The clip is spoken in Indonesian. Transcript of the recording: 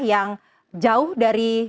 yang jauh dari